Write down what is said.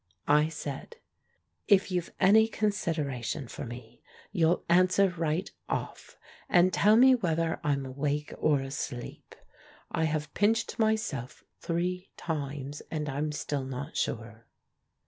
I said, "If you've any consideration for me, you'll answer right off and tell mc whether I'm awake or asleep. I have pinched _nyself three times, and I'm still not sure."